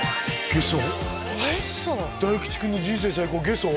ゲソ大吉君の人生最高ゲソ？